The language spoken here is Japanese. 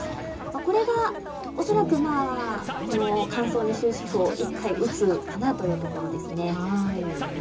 これが恐らく、この乾燥に終止符を打つかなというところですね。